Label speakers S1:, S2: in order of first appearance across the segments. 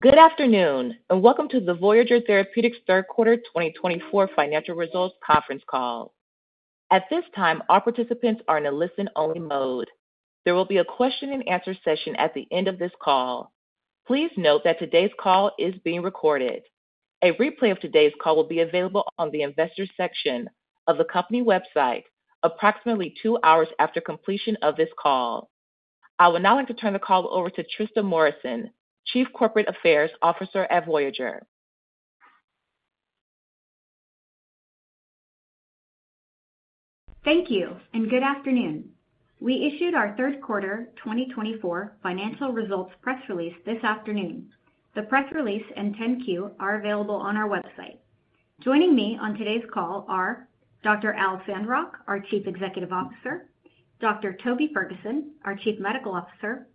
S1: Good afternoon, and welcome to the Voyager Therapeutics third quarter 2024 financial results conference call. At this time, all participants are in a listen-only mode. There will be a question-and-answer session at the end of this call. Please note that today's call is being recorded. A replay of today's call will be available on the investor section of the company website approximately two hours after completion of this call. I would now like to turn the call over to Trista Morrison, Chief Corporate Affairs Officer at Voyager.
S2: Thank you, and good afternoon. We issued our third quarter 2024 financial results press release this afternoon. The press release and 10-Q are available on our website. Joining me on today's call are Dr. Al Sandrock, our Chief Executive Officer, Dr. Toby Ferguson, our Chief Medical Officer,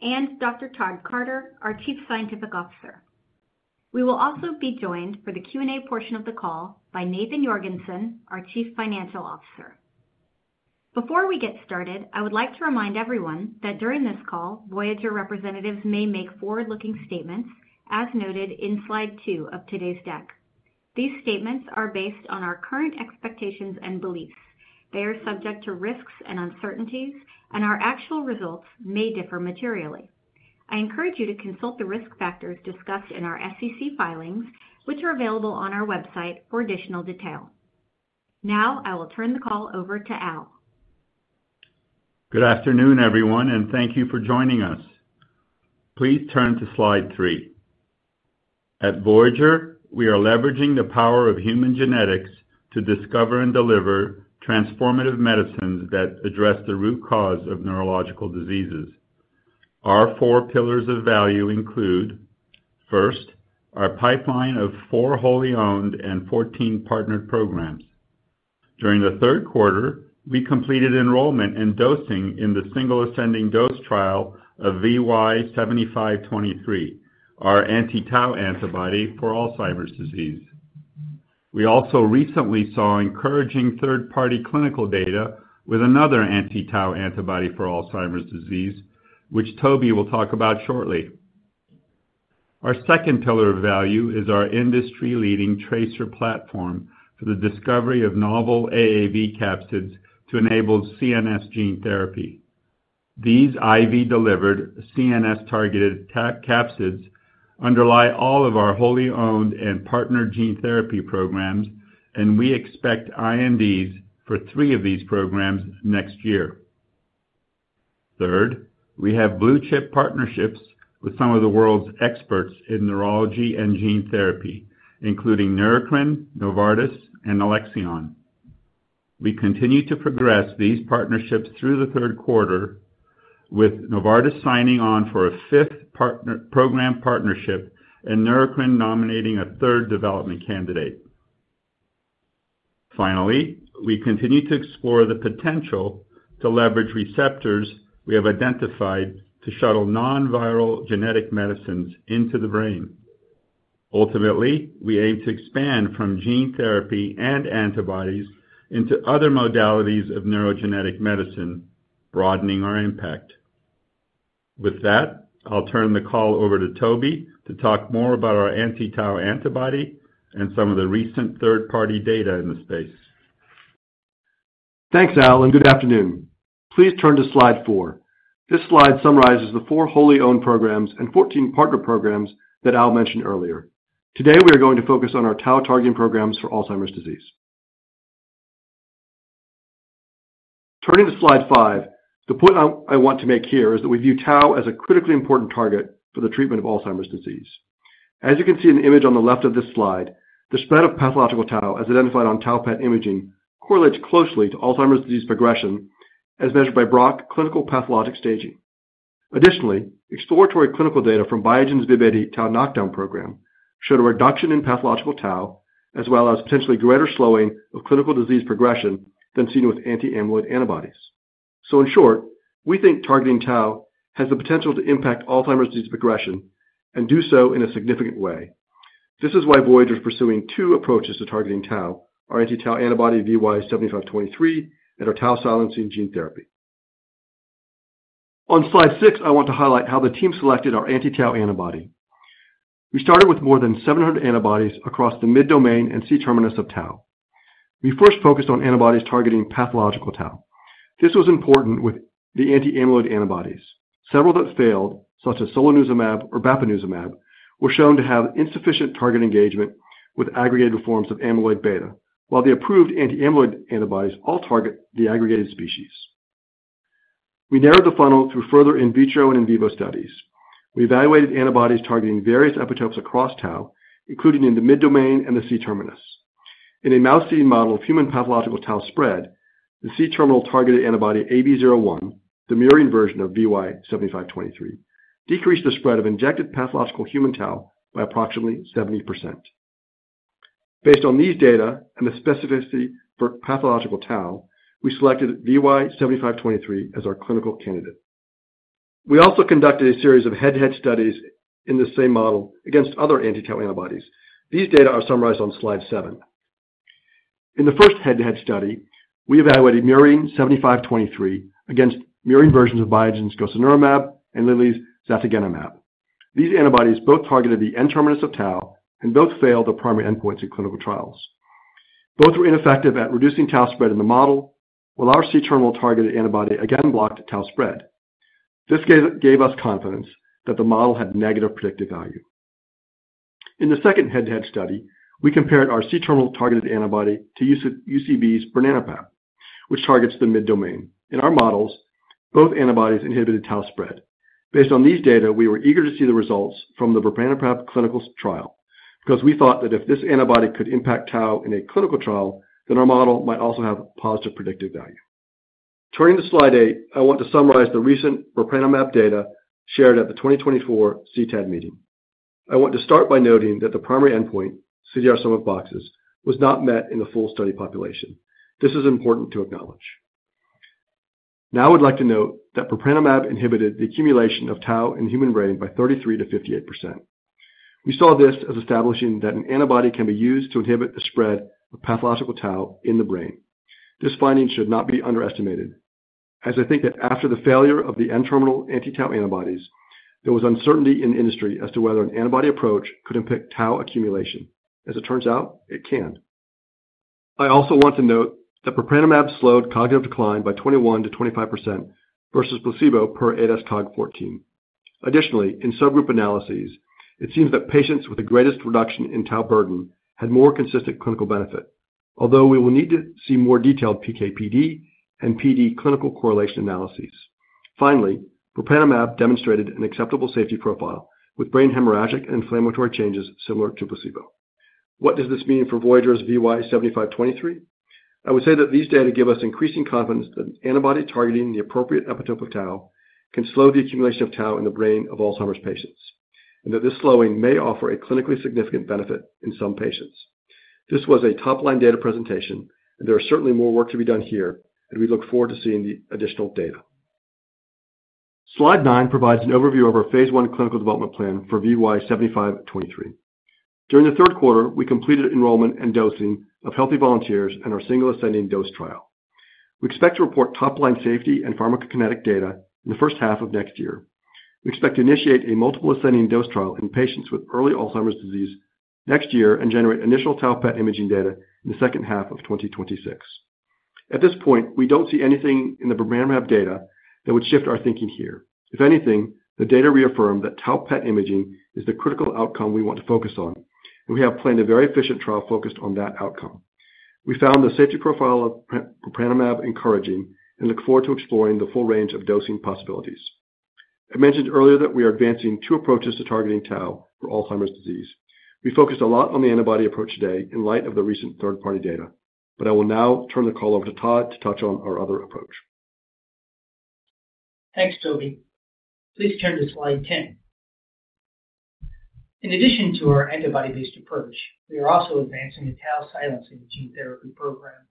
S2: and Dr. Todd Carter, our Chief Scientific Officer. We will also be joined for the Q&A portion of the call by Nathan Jorgensen, our Chief Financial Officer. Before we get started, I would like to remind everyone that during this call, Voyager representatives may make forward-looking statements as noted in Slide 2 of today's deck. These statements are based on our current expectations and beliefs. They are subject to risks and uncertainties, and our actual results may differ materially. I encourage you to consult the risk factors discussed in our SEC filings, which are available on our website for additional detail. Now, I will turn the call over to Al.
S3: Good afternoon, everyone, and thank you for joining us. Please turn to Slide 3. At Voyager, we are leveraging the power of human genetics to discover and deliver transformative medicines that address the root cause of neurological diseases. Our four pillars of value include: first, our pipeline of four wholly owned and 14 partnered programs. During the third quarter, we completed enrollment and dosing in the single ascending dose trial of VY7523, our anti-Tau antibody for Alzheimer's disease. We also recently saw encouraging third-party clinical data with another anti-Tau antibody for Alzheimer's disease, which Toby will talk about shortly. Our second pillar of value is our industry-leading TRACER platform for the discovery of novel AAV capsids to enable CNS gene therapy. These IV-delivered CNS-targeted capsids underlie all of our wholly owned and partnered gene therapy programs, and we expect INDs for three of these programs next year. Third, we have blue-chip partnerships with some of the world's experts in neurology and gene therapy, including Neurocrine, Novartis, and Alexion. We continue to progress these partnerships through the third quarter, with Novartis signing on for a fifth program partnership and Neurocrine nominating a third development candidate. Finally, we continue to explore the potential to leverage receptors we have identified to shuttle non-viral genetic medicines into the brain. Ultimately, we aim to expand from gene therapy and antibodies into other modalities of neurogenetic medicine, broadening our impact. With that, I'll turn the call over to Toby to talk more about our anti-Tau antibody and some of the recent third-party data in the space.
S4: Thanks, Al, and good afternoon. Please turn to Slide 4. This slide summarizes the four wholly owned programs and 14 partner programs that Al mentioned earlier. Today, we are going to focus on our Tau targeting programs for Alzheimer's disease. Turning to Slide 5, the point I want to make here is that we view Tau as a critically important target for the treatment of Alzheimer's disease. As you can see in the image on the left of this slide, the spread of pathological Tau, as identified on Tau PET imaging, correlates closely to Alzheimer's disease progression as measured by Braak clinical pathologic staging. Additionally, exploratory clinical data from Biogen's BIIB080 Tau knockdown program showed a reduction in pathological Tau, as well as potentially greater slowing of clinical disease progression than seen with anti-amyloid antibodies. In short, we think targeting Tau has the potential to impact Alzheimer's disease progression and do so in a significant way. This is why Voyager is pursuing two approaches to targeting Tau: our anti-Tau antibody VY7523 and our Tau silencing gene therapy. On Slide 6, I want to highlight how the team selected our anti-Tau antibody. We started with more than 700 antibodies across the mid-domain and C-terminus of Tau. We first focused on antibodies targeting pathological Tau. This was important with the anti-amyloid antibodies. Several that failed, such as solanezumab or bapineuzumab, were shown to have insufficient target engagement with aggregated forms of amyloid beta, while the approved anti-amyloid antibodies all target the aggregated species. We narrowed the funnel through further in vitro and in vivo studies. We evaluated antibodies targeting various epitopes across Tau, including in the mid-domain and the C-terminus. In a mouse seed model of human pathological Tau spread, the C-terminal targeted antibody AB01, the murine version of VY7523, decreased the spread of injected pathological human Tau by approximately 70%. Based on these data and the specificity for pathological Tau, we selected VY7523 as our clinical candidate. We also conducted a series of head-to-head studies in the same model against other anti-Tau antibodies. These data are summarized on Slide 7. In the first head-to-head study, we evaluated murine 7523 against murine versions of Biogen's gosuranemab and Lilly's zagotenemab. These antibodies both targeted the N-terminus of Tau and both failed their primary endpoints in clinical trials. Both were ineffective at reducing Tau spread in the model, while our C-terminal targeted antibody again blocked Tau spread. This gave us confidence that the model had negative predictive value. In the second head-to-head study, we compared our C-terminal targeted antibody to UCB's bepranemab, which targets the mid-domain. In our models, both antibodies inhibited Tau spread. Based on these data, we were eager to see the results from the bepranemab clinical trial because we thought that if this antibody could impact Tau in a clinical trial, then our model might also have positive predictive value. Turning to Slide 8, I want to summarize the recent bepranemab data shared at the 2024 CTAD meeting. I want to start by noting that the primary endpoint, CDR Sum of Boxes, was not met in the full study population. This is important to acknowledge. Now, I would like to note that bepranemab inhibited the accumulation of Tau in the human brain by 33%-58%. We saw this as establishing that an antibody can be used to inhibit the spread of pathological Tau in the brain. This finding should not be underestimated, as I think that after the failure of the N-terminal anti-Tau antibodies, there was uncertainty in the industry as to whether an antibody approach could impact Tau accumulation. As it turns out, it can. I also want to note that bepranemab slowed cognitive decline by 21%-25% versus placebo per ADAS-Cog14. Additionally, in subgroup analyses, it seems that patients with the greatest reduction in Tau burden had more consistent clinical benefit, although we will need to see more detailed PK/PD and PD clinical correlation analyses. Finally, bepranemab demonstrated an acceptable safety profile with brain hemorrhagic and inflammatory changes similar to placebo. What does this mean for Voyager's VY7523? I would say that these data give us increasing confidence that an antibody targeting the appropriate epitope of Tau can slow the accumulation of Tau in the brain of Alzheimer's patients and that this slowing may offer a clinically significant benefit in some patients. This was a top-line data presentation, and there is certainly more work to be done here, and we look forward to seeing the additional data. Slide 9 provides an overview of our phase I clinical development plan for VY7523. During the third quarter, we completed enrollment and dosing of healthy volunteers in our single ascending dose trial. We expect to report top-line safety and pharmacokinetic data in the first half of next year. We expect to initiate a multiple ascending dose trial in patients with early Alzheimer's disease next year and generate initial Tau PET imaging data in the second half of 2026. At this point, we don't see anything in the bepranemab data that would shift our thinking here. If anything, the data reaffirm that Tau PET imaging is the critical outcome we want to focus on, and we have planned a very efficient trial focused on that outcome. We found the safety profile of bepranemab encouraging and look forward to exploring the full range of dosing possibilities. I mentioned earlier that we are advancing two approaches to targeting Tau for Alzheimer's disease. We focused a lot on the antibody approach today in light of the recent third-party data, but I will now turn the call over to Todd to touch on our other approach.
S5: Thanks, Toby. Please turn to Slide 10. In addition to our antibody-based approach, we are also advancing the Tau silencing gene therapy program.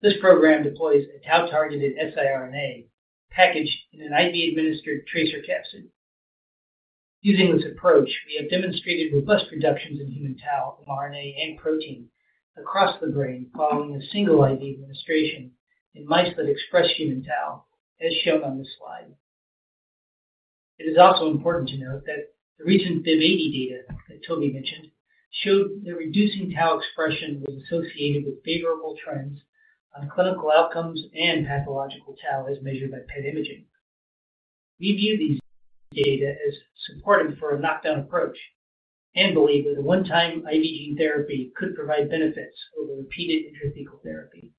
S5: This program deploys a Tau-targeted siRNA packaged in an IV-administered TRACER capsid. Using this approach, we have demonstrated robust reductions in human Tau from RNA and protein across the brain following a single IV administration in mice that express human Tau, as shown on this slide. It is also important to note that the recent BIIB080 data that Toby mentioned showed that reducing Tau expression was associated with favorable trends on clinical outcomes and pathological Tau as measured by PET imaging. We view these data as supportive for a knockdown approach and believe that a one-time IV gene therapy could provide benefits over repeated intrathecal therapy.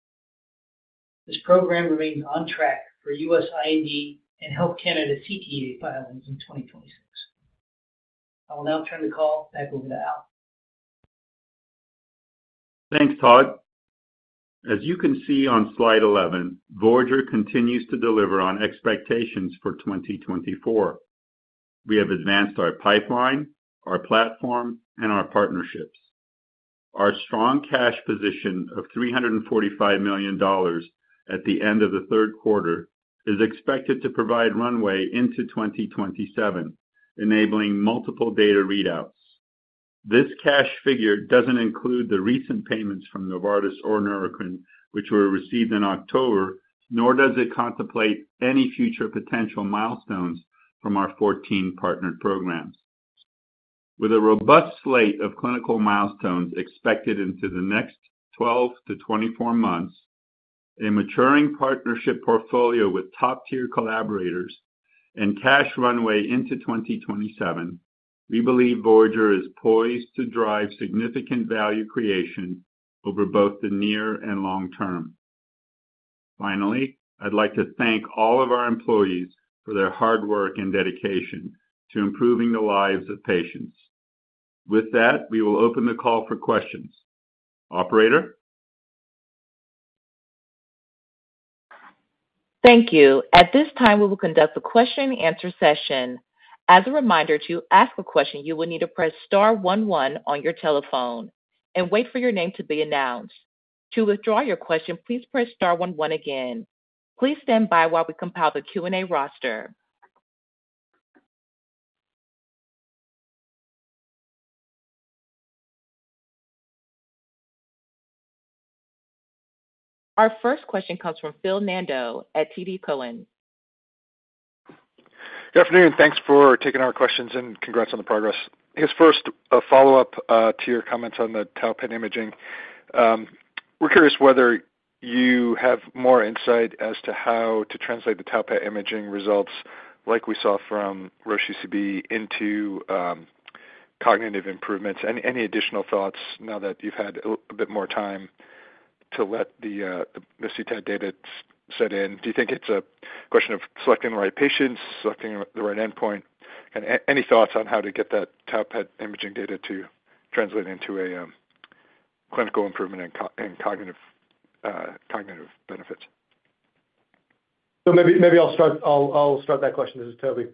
S5: This program remains on track for U.S. IND and Health Canada CTA filings in 2026. I will now turn the call back over to Al.
S3: Thanks, Todd. As you can see on Slide 11, Voyager continues to deliver on expectations for 2024. We have advanced our pipeline, our platform, and our partnerships. Our strong cash position of $345 million at the end of the third quarter is expected to provide runway into 2027, enabling multiple data readouts. This cash figure doesn't include the recent payments from Novartis or Neurocrine, which were received in October, nor does it contemplate any future potential milestones from our 14 partnered programs. With a robust slate of clinical milestones expected into the next 12 to 24 months, a maturing partnership portfolio with top-tier collaborators, and cash runway into 2027, we believe Voyager is poised to drive significant value creation over both the near and long term. Finally, I'd like to thank all of our employees for their hard work and dedication to improving the lives of patients. With that, we will open the call for questions. Operator?
S1: Thank you. At this time, we will conduct the question-and-answer session. As a reminder, to ask a question, you will need to press star one one on your telephone and wait for your name to be announced. To withdraw your question, please press star one one again. Please stand by while we compile the Q&A roster. Our first question comes from Phil Nadeau at TD Cowen.
S6: Good afternoon. Thanks for taking our questions and congrats on the progress. I guess first, a follow-up to your comments on the Tau PET imaging. We're curious whether you have more insight as to how to translate the Tau PET imaging results like we saw from Roche UCB into cognitive improvements. Any additional thoughts now that you've had a bit more time to let the CTAD data set in? Do you think it's a question of selecting the right patients, selecting the right endpoint? Any thoughts on how to get that Tau PET imaging data to translate into a clinical improvement and cognitive benefits?
S4: Maybe I'll start that question. This is Toby.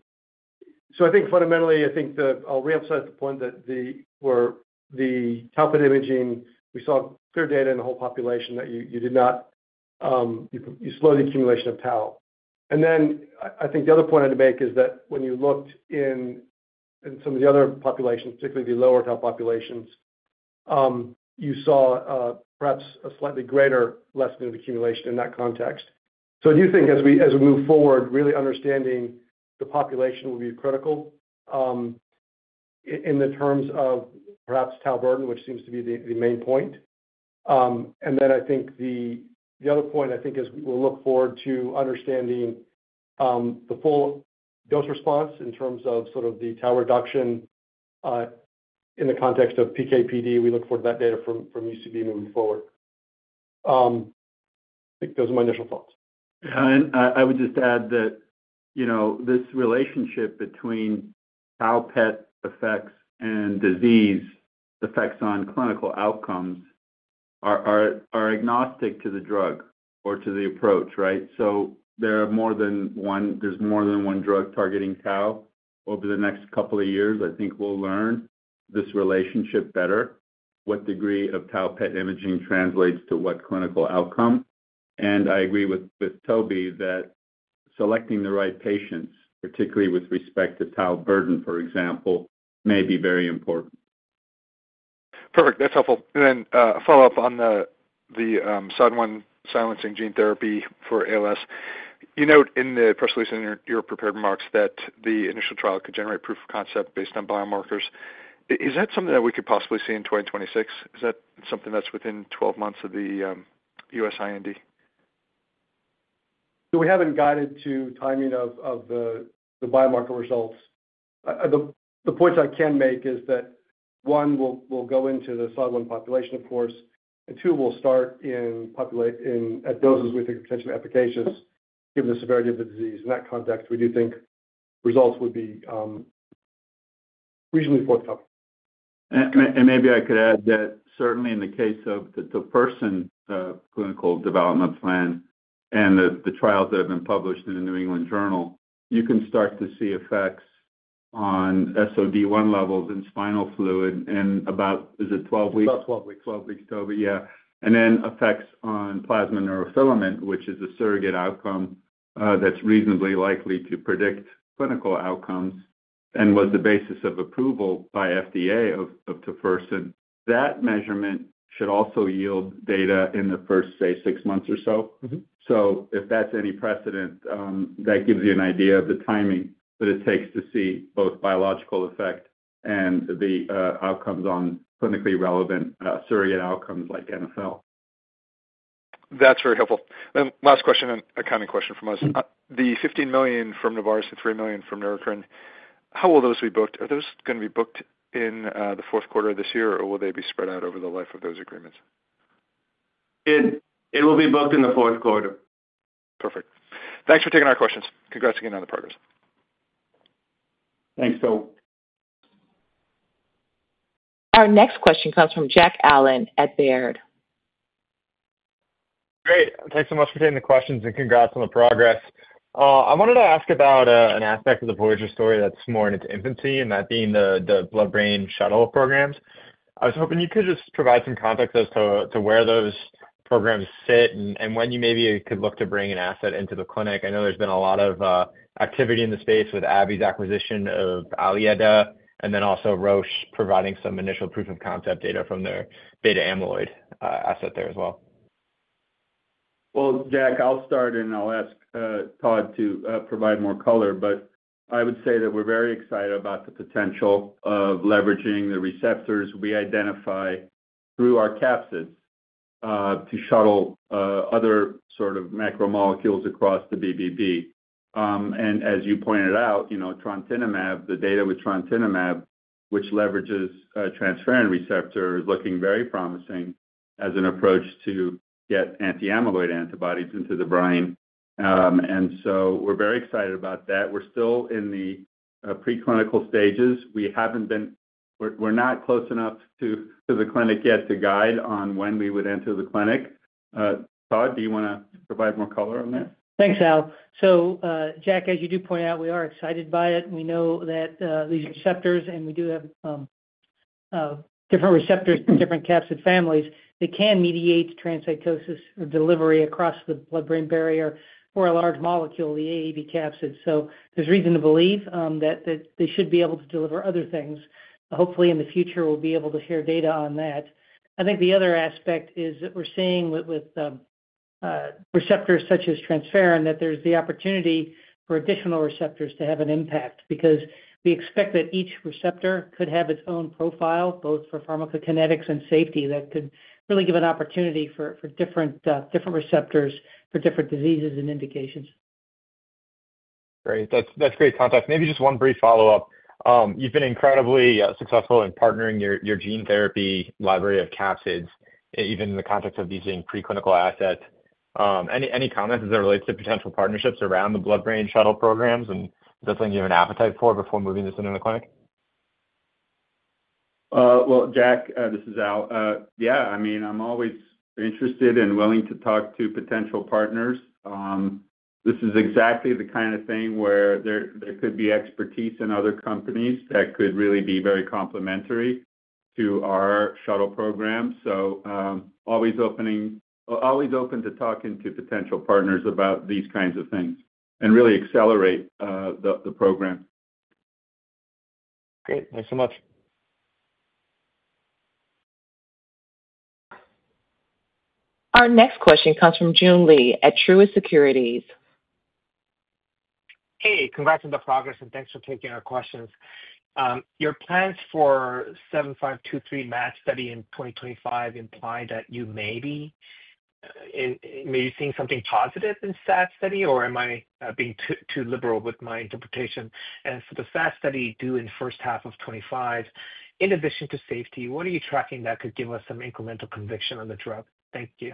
S4: I think fundamentally, I think I'll reemphasize the point that the Tau PET imaging, we saw clear data in the whole population that you did not slow the accumulation of Tau. And then I think the other point I'd make is that when you looked in some of the other populations, particularly the lower Tau populations, you saw perhaps a slightly greater lessening of accumulation in that context. So I do think as we move forward, really understanding the population will be critical in terms of perhaps Tau burden, which seems to be the main point. And then I think the other point, I think, is we'll look forward to understanding the full dose response in terms of sort of the Tau reduction in the context of PK/PD. We look forward to that data from UCB moving forward. I think those are my initial thoughts.
S3: I would just add that this relationship between Tau PET effects and disease effects on clinical outcomes are agnostic to the drug or to the approach, right? There are more than one drug targeting Tau. Over the next couple of years, I think we'll learn this relationship better, what degree of Tau PET imaging translates to what clinical outcome. I agree with Toby that selecting the right patients, particularly with respect to Tau burden, for example, may be very important.
S6: Perfect. That's helpful. And then a follow-up on the SOD1 silencing gene therapy for ALS. You note in the press release in your prepared remarks that the initial trial could generate proof of concept based on biomarkers. Is that something that we could possibly see in 2026? Is that something that's within 12 months of the U.S. IND?
S4: We haven't guided to timing of the biomarker results. The points I can make is that, one, we'll go into the SOD1 population, of course, and two, we'll start in at doses we think are potentially efficacious given the severity of the disease. In that context, we do think results would be reasonably forthcoming.
S3: Maybe I could add that certainly in the case of the first clinical development plan and the trials that have been published in the New England Journal, you can start to see effects on SOD1 levels in spinal fluid in about, is it 12 weeks?
S4: About 12 weeks.
S3: Toby, yeah. And then effects on plasma neurofilament, which is a surrogate outcome that's reasonably likely to predict clinical outcomes and was the basis of approval by FDA of tofersen. That measurement should also yield data in the first, say, six months or so. So if that's any precedent, that gives you an idea of the timing that it takes to see both biological effect and the outcomes on clinically relevant surrogate outcomes like NfL.
S6: That's very helpful. And last question, a coming question from us. The $15 million from Novartis and $3 million from Neurocrine, how will those be booked? Are those going to be booked in the fourth quarter of this year, or will they be spread out over the life of those agreements?
S3: It will be booked in the fourth quarter.
S6: Perfect. Thanks for taking our questions. Congrats again on the progress.
S3: Thanks, Phil.
S1: Our next question comes from Jack Allen at Baird.
S7: Great. Thanks so much for taking the questions and congrats on the progress. I wanted to ask about an aspect of the Voyager story that's more in its infancy and that being the blood-brain shuttle programs. I was hoping you could just provide some context as to where those programs sit and when you maybe could look to bring an asset into the clinic. I know there's been a lot of activity in the space with AbbVie's acquisition of Aliada and then also Roche providing some initial proof of concept data from their beta amyloid asset there as well.
S3: Jack, I'll start and I'll ask Todd to provide more color, but I would say that we're very excited about the potential of leveraging the receptors we identify through our capsids to shuttle other sort of macromolecules across the BBB. And as you pointed out, the data with trontinemab, which leverages a transferrin receptor, is looking very promising as an approach to get anti-amyloid antibodies into the brain. And so we're very excited about that. We're still in the preclinical stages. We're not close enough to the clinic yet to guide on when we would enter the clinic. Todd, do you want to provide more color on that?
S5: Thanks, Al. So, Jack, as you do point out, we are excited by it. We know that these receptors, and we do have different receptors in different capsid families, they can mediate transcytosis or delivery across the blood-brain barrier for a large molecule, the AAV capsid. So there's reason to believe that they should be able to deliver other things. Hopefully, in the future, we'll be able to hear data on that. I think the other aspect is that we're seeing with receptors such as transferrin that there's the opportunity for additional receptors to have an impact because we expect that each receptor could have its own profile, both for pharmacokinetics and safety, that could really give an opportunity for different receptors for different diseases and indications.
S7: Great. That's great context. Maybe just one brief follow-up. You've been incredibly successful in partnering your gene therapy library of capsids, even in the context of using preclinical assets. Any comments as it relates to potential partnerships around the blood-brain shuttle programs and something you have an appetite for before moving this into the clinic?
S3: Jack, this is Al. Yeah, I mean, I'm always interested and willing to talk to potential partners. This is exactly the kind of thing where there could be expertise in other companies that could really be very complementary to our shuttle program. Always open to talking to potential partners about these kinds of things and really accelerate the program.
S7: Great. Thanks so much.
S1: Our next question comes from Joon Lee at Truist Securities.
S8: Hey, congrats on the progress, and thanks for taking our questions. Your plans for 7523 MAD study in 2025 imply that you may be maybe seeing something positive in SAD study, or am I being too liberal with my interpretation? And for the SAD study due in first half of 2025, in addition to safety, what are you tracking that could give us some incremental conviction on the drug? Thank you.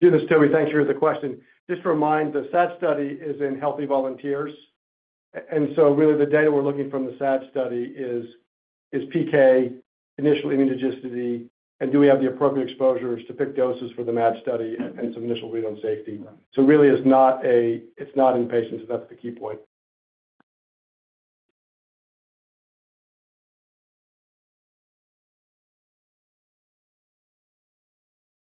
S4: Thanks, Toby, thank you for the question. Just to remind, the SAD study is in healthy volunteers, and so really the data we're looking for from the SAD study is PK, initial immunogenicity, and do we have the appropriate exposures to pick doses for the MAD study and some initial read on safety, so really it's not in patients, and that's the key point.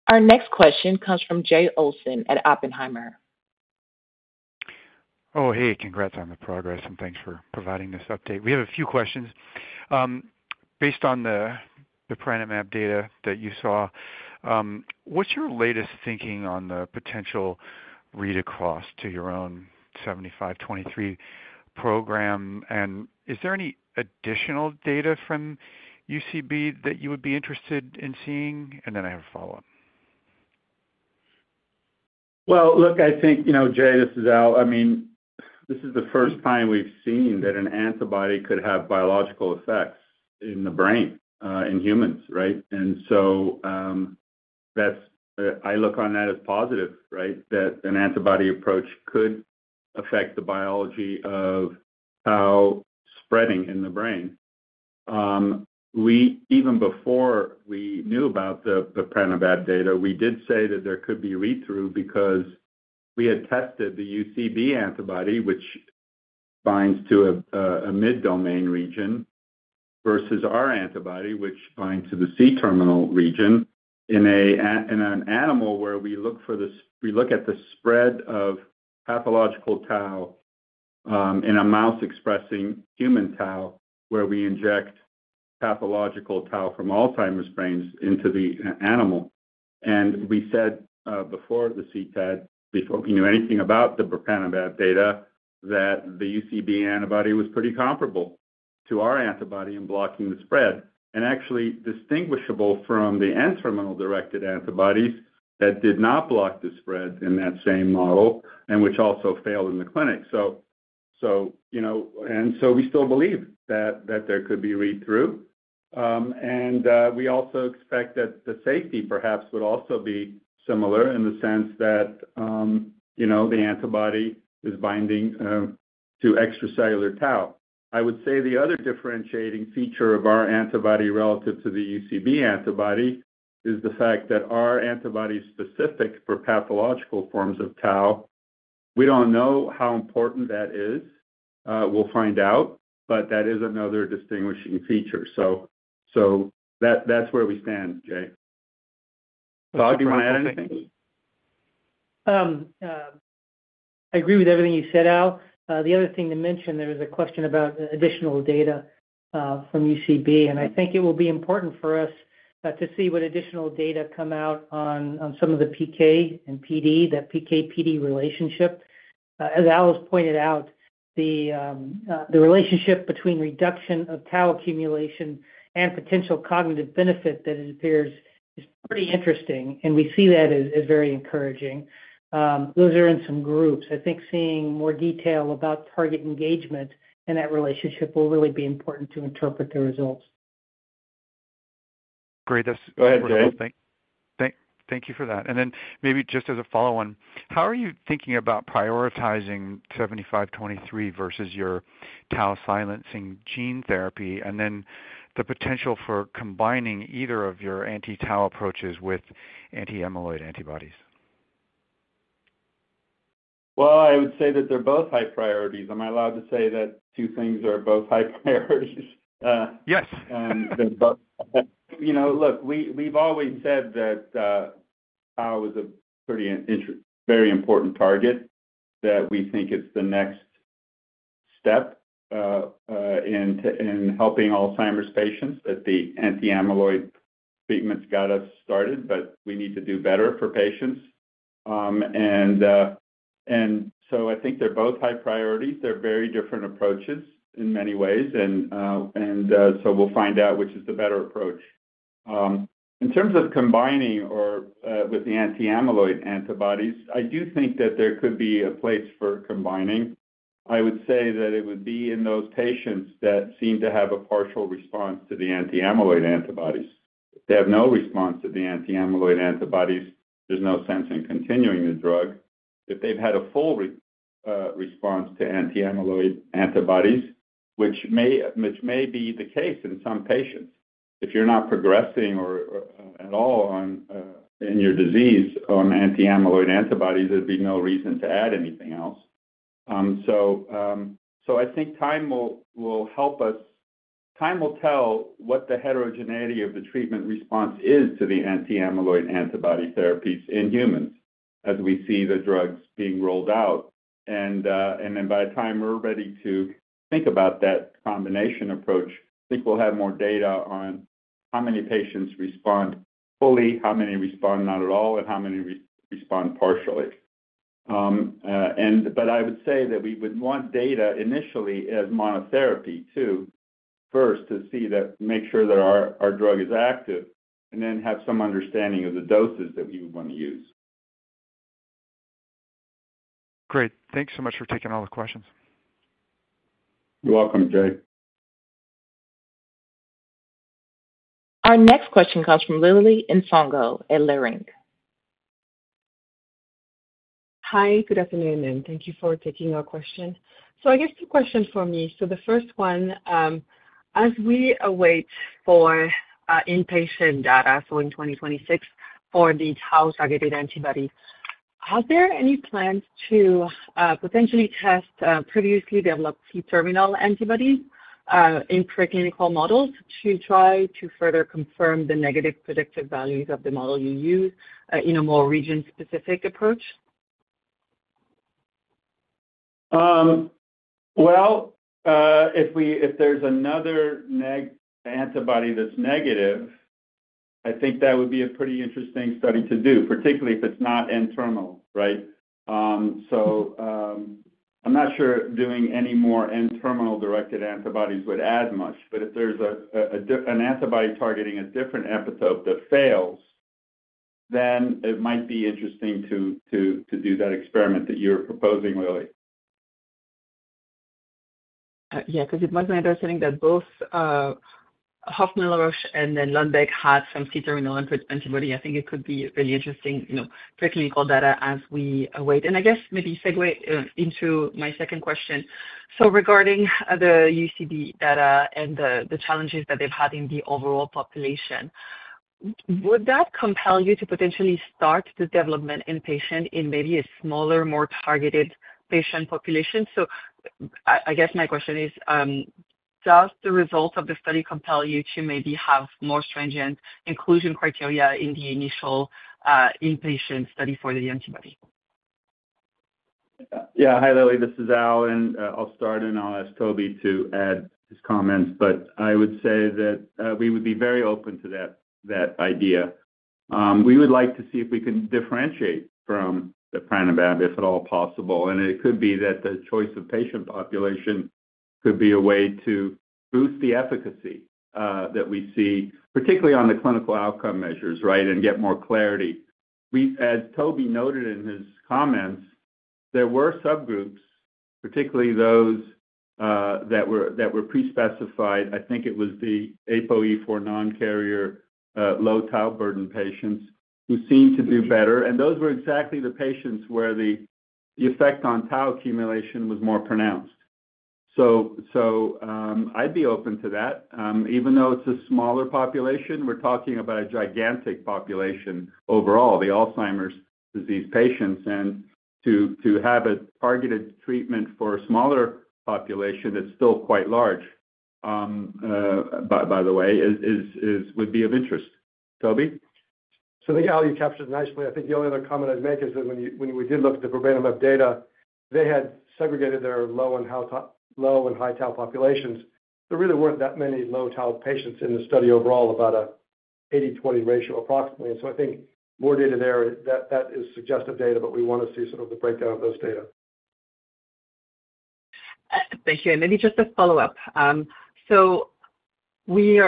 S1: Our next question comes from Jay Olson at Oppenheimer.
S9: Oh, hey, congrats on the progress, and thanks for providing this update. We have a few questions. Based on the bepranemab data that you saw, what's your latest thinking on the potential read across to your own 7523 program? And is there any additional data from UCB that you would be interested in seeing? And then I have a follow-up.
S3: Look, I think, you know, Jay, this is Al. I mean, this is the first time we've seen that an antibody could have biological effects in the brain in humans, right? And so I look on that as positive, right, that an antibody approach could affect the biology of how spreading in the brain. Even before we knew about the bepranemab data, we did say that there could be read-through because we had tested the UCB antibody, which binds to a mid-domain region, versus our antibody, which binds to the C-terminal region in an animal where we look at the spread of pathological Tau in a mouse expressing human Tau, where we inject pathological Tau from Alzheimer's brains into the animal. We said before the CTAD, before we knew anything about the bepranemab data, that the UCB antibody was pretty comparable to our antibody in blocking the spread and actually distinguishable from the N-terminal-directed antibodies that did not block the spread in that same model and which also failed in the clinic. So you know, and so we still believe that there could be read-through. And we also expect that the safety perhaps would also be similar in the sense that the antibody is binding to extracellular Tau. I would say the other differentiating feature of our antibody relative to the UCB antibody is the fact that our antibody is specific for pathological forms of Tau. We don't know how important that is. We'll find out, but that is another distinguishing feature. So that's where we stand, Jay. Todd, do you want to add anything?
S5: I agree with everything you said, Al. The other thing to mention, there was a question about additional data from UCB, and I think it will be important for us to see what additional data come out on some of the PK and PD, that PK/PD relationship. As Al has pointed out, the relationship between reduction of Tau accumulation and potential cognitive benefit that it appears is pretty interesting, and we see that as very encouraging. Those are in some groups. I think seeing more detail about target engagement and that relationship will really be important to interpret the results.
S9: Great. That's great. Thank you for that. And then maybe just as a follow-on, how are you thinking about prioritizing VY7523 versus your Tau silencing gene therapy and then the potential for combining either of your anti-Tau approaches with anti-amyloid antibodies?
S3: I would say that they're both high priorities. Am I allowed to say that two things are both high priorities?
S9: Yes.
S3: You know, look, we've always said that Tau was a pretty very important target, that we think it's the next step in helping Alzheimer's patients, that the anti-amyloid treatments got us started, but we need to do better for patients, and so I think they're both high priorities. They're very different approaches in many ways, and so we'll find out which is the better approach. In terms of combining with the anti-amyloid antibodies, I do think that there could be a place for combining. I would say that it would be in those patients that seem to have a partial response to the anti-amyloid antibodies. If they have no response to the anti-amyloid antibodies, there's no sense in continuing the drug. If they've had a full response to anti-amyloid antibodies, which may be the case in some patients, if you're not progressing at all in your disease on anti-amyloid antibodies, there'd be no reason to add anything else. So I think time will help us. Time will tell what the heterogeneity of the treatment response is to the anti-amyloid antibody therapies in humans as we see the drugs being rolled out. And then by the time we're ready to think about that combination approach, I think we'll have more data on how many patients respond fully, how many respond not at all, and how many respond partially. But I would say that we would want data initially as monotherapy too first to see that make sure that our drug is active and then have some understanding of the doses that we would want to use.
S9: Great. Thanks so much for taking all the questions.
S3: You're welcome, Jay.
S1: Our next question comes from Lili Nsongo at Leerink.
S10: Hi, good afternoon, and thank you for taking our question. So I guess two questions for me. So the first one, as we await for in-patient data, so in 2026, for the Tau-targeted antibody, are there any plans to potentially test previously developed C-terminal antibodies in preclinical models to try to further confirm the negative predictive value of the model you use in a more region-specific approach?
S3: If there's another antibody that's negative, I think that would be a pretty interesting study to do, particularly if it's not N-terminal, right? So I'm not sure doing any more N-terminal-directed antibodies would add much, but if there's an antibody targeting a different epitope that fails, then it might be interesting to do that experiment that you're proposing, Lili.
S10: Yeah, because it was my understanding that both Hoffmann-La Roche and then Lundbeck had some C-terminal antibody. I think it could be really interesting preclinical data as we await. I guess maybe segue into my second question. So regarding the UCB data and the challenges that they've had in the overall population, would that compel you to potentially start the development in patients in maybe a smaller, more targeted patient population? So I guess my question is, does the result of the study compel you to maybe have more stringent inclusion criteria in the initial in-patients study for the antibody?
S3: Yeah, hi, Lili, this is Al, and I'll start, and I'll ask Toby to add his comments, but I would say that we would be very open to that idea. We would like to see if we can differentiate from the bepranemab, if at all possible, and it could be that the choice of patient population could be a way to boost the efficacy that we see, particularly on the clinical outcome measures, right, and get more clarity. As Toby noted in his comments, there were subgroups, particularly those that were pre-specified. I think it was the APOE4 non-carrier, low Tau burden patients who seemed to do better, and those were exactly the patients where the effect on Tau accumulation was more pronounced, so I'd be open to that. Even though it's a smaller population, we're talking about a gigantic population overall, the Alzheimer's disease patients. And to have a targeted treatment for a smaller population that's still quite large, by the way, would be of interest. Toby?
S4: So I think Al, you captured it nicely. I think the only other comment I'd make is that when we did look at the bepranemab data, they had segregated their low and high Tau populations. There really weren't that many low Tau patients in the study overall, about an 80/20 ratio approximately. And so I think more data there, that is suggestive data, but we want to see sort of the breakdown of those data.
S10: Thank you. And maybe just a follow-up. So we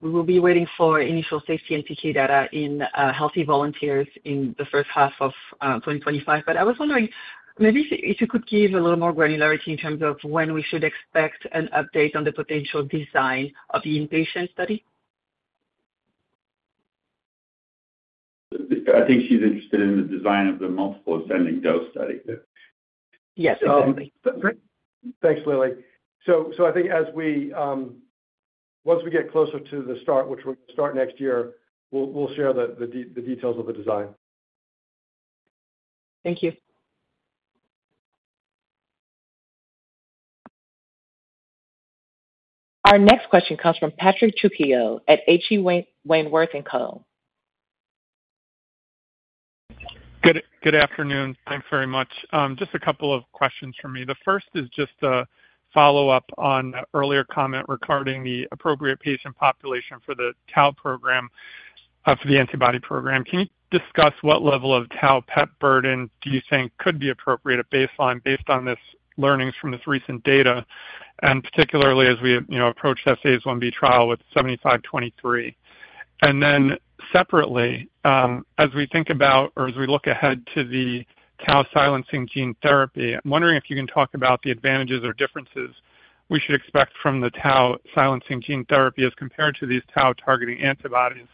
S10: will be waiting for initial safety and PK data in healthy volunteers in the first half of 2025. But I was wondering maybe if you could give a little more granularity in terms of when we should expect an update on the potential design of the in-patient study?
S3: I think she's interested in the design of the multiple ascending dose study.
S10: Yes, exactly.
S4: Thanks, Lili. So I think as we get closer to the start, which we're going to start next year, we'll share the details of the design.
S10: Thank you.
S1: Our next question comes from Patrick Trujillo at H.C. Wainwright & Co.
S11: Good afternoon. Thanks very much. Just a couple of questions for me. The first is just a follow-up on the earlier comment regarding the appropriate patient population for the Tau program, for the antibody program. Can you discuss what level of Tau PET burden do you think could be appropriate at baseline based on these learnings from this recent data, and particularly as we approach the phase I-B trial with VY7523? And then separately, as we think about or as we look ahead to the Tau silencing gene therapy, I'm wondering if you can talk about the advantages or differences we should expect from the Tau silencing gene therapy as compared to these Tau targeting antibodies.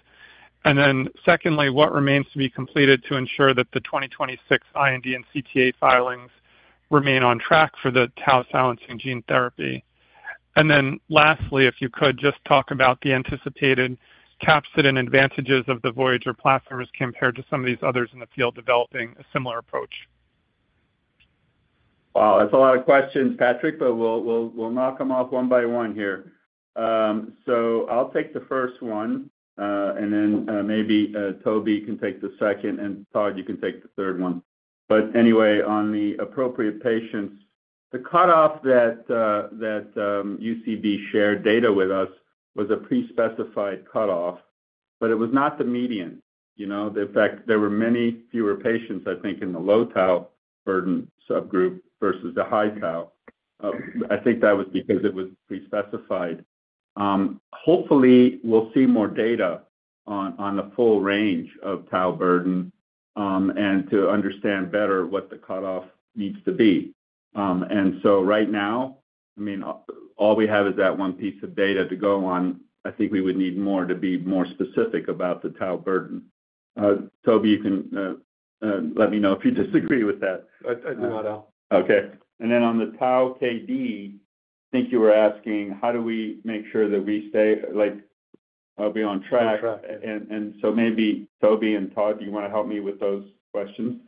S11: And then secondly, what remains to be completed to ensure that the 2026 IND and CTA filings remain on track for the Tau silencing gene therapy? And then lastly, if you could just talk about the anticipated capsid and advantages of the Voyager platform as compared to some of these others in the field developing a similar approach?
S3: Wow, that's a lot of questions, Patrick, but we'll knock them off one by one here. So I'll take the first one, and then maybe Toby can take the second, and Todd, you can take the third one. But anyway, on the appropriate patients, the cutoff that UCB shared data with us was a pre-specified cutoff, but it was not the median. You know, in fact, there were many fewer patients, I think, in the low Tau burden subgroup versus the high Tau. I think that was because it was pre-specified. Hopefully, we'll see more data on the full range of Tau burden and to understand better what the cutoff needs to be. And so right now, I mean, all we have is that one piece of data to go on. I think we would need more to be more specific about the Tau burden. Toby, you can let me know if you disagree with that.
S4: I do not, Al.
S3: Okay. And then on the Tau KD, I think you were asking how do we make sure that we stay like we'll be on track. And so maybe Toby and Todd, do you want to help me with those questions?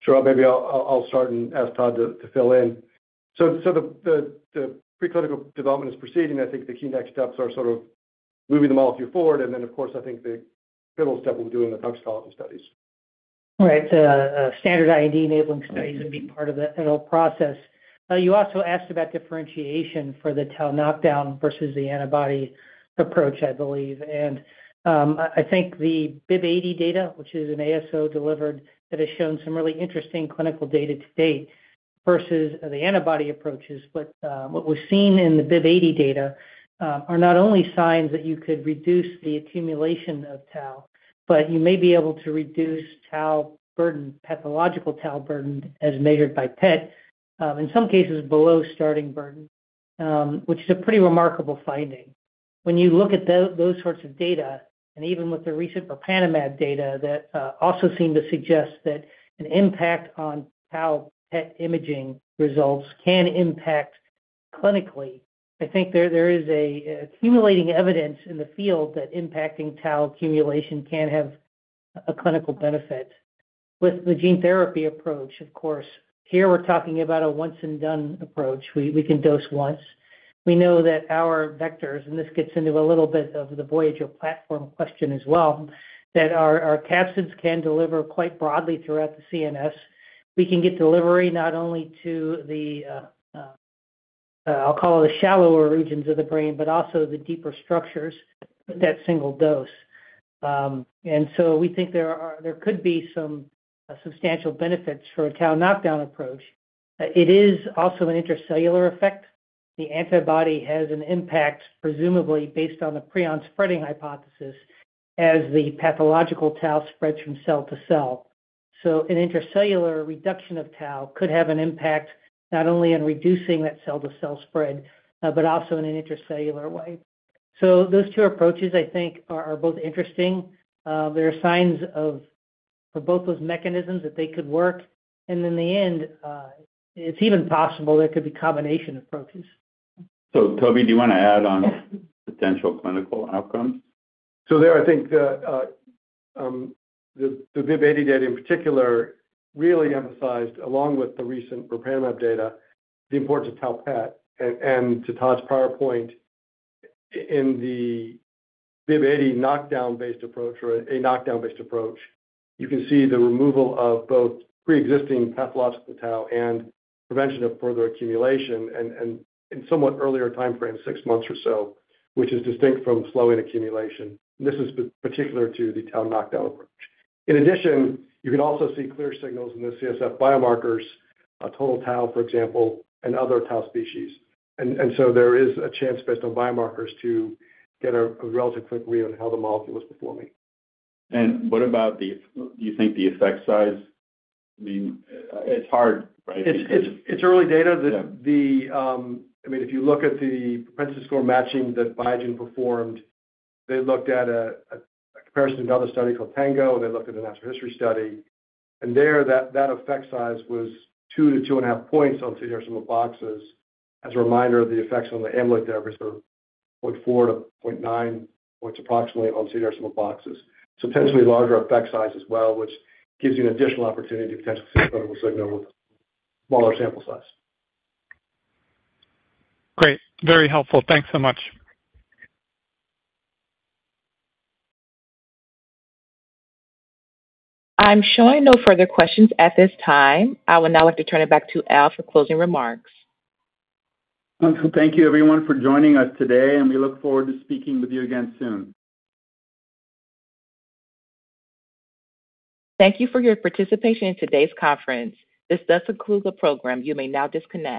S4: Sure, maybe I'll start and ask Todd to fill in. So the preclinical development is proceeding. I think the key next steps are sort of moving them all through forward, and then, of course, I think the pivotal step will be doing the toxicology studies.
S5: Right. Standard IND enabling studies would be part of the whole process. You also asked about differentiation for the Tau knockdown versus the antibody approach, I believe, and I think the BIIB080 data, which is an ASO delivered that has shown some really interesting clinical data to date versus the antibody approaches. What was seen in the BIIB080 data are not only signs that you could reduce the accumulation of Tau, but you may be able to reduce pathological Tau burden as measured by PET, in some cases below starting burden, which is a pretty remarkable finding. When you look at those sorts of data, and even with the recent bepranemab data that also seem to suggest that an impact on Tau PET imaging results can impact clinically, I think there is accumulating evidence in the field that impacting Tau accumulation can have a clinical benefit. With the gene therapy approach, of course, here we're talking about a once-and-done approach. We can dose once. We know that our vectors, and this gets into a little bit of the Voyager platform question as well, that our capsids can deliver quite broadly throughout the CNS. We can get delivery not only to the, I'll call it the shallower regions of the brain, but also the deeper structures with that single dose, and so we think there could be some substantial benefits for a Tau knockdown approach. It is also an intracellular effect. The antibody has an impact, presumably based on the prion-spreading hypothesis, as the pathological Tau spreads from cell to cell. So an intracellular reduction of Tau could have an impact not only in reducing that cell-to-cell spread, but also in an intracellular way, so those two approaches, I think, are both interesting. There are signs for both those mechanisms that they could work, and in the end, it's even possible there could be combination approaches.
S3: So Toby, do you want to add on potential clinical outcomes?
S4: I think the BIIB080 data in particular really emphasized, along with the recent bepranemab data, the importance of Tau PET. To Todd's prior point, in the BIIB080 knockdown-based approach or a knockdown-based approach, you can see the removal of both pre-existing pathological Tau and prevention of further accumulation in somewhat earlier timeframe, six months or so, which is distinct from slowing accumulation. This is particular to the Tau knockdown approach. In addition, you can also see clear signals in the CSF biomarkers, total Tau, for example, and other Tau species. There is a chance based on biomarkers to get a relatively quick read on how the molecule is performing.
S3: What about the, do you think the effect size? I mean, it's hard, right?
S4: It's early data. I mean, if you look at the propensity score matching that Biogen performed, they looked at a comparison to another study called TANGO, and they looked at a natural history study, and there, that effect size was 2.0-2.5 points on CDR Sum of Boxes. As a reminder, the effects on the amyloid therapies were 0.4-0.9 points approximately on CDR Sum of Boxes, so potentially larger effect size as well, which gives you an additional opportunity to potentially see a clinical signal with smaller sample size.
S11: Great. Very helpful. Thanks so much.
S1: I'm showing no further questions at this time. I would now like to turn it back to Al for closing remarks.
S3: Thank you, everyone, for joining us today, and we look forward to speaking with you again soon.
S1: Thank you for your participation in today's conference. This does conclude the program. You may now disconnect.